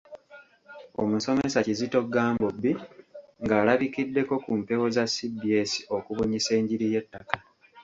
Omusomesa Kizito Gambobbi ng’alabikiddeko ku mpewo za CBS okubunyisa enjiri y’ettaka.